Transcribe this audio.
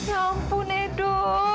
ya ampun edo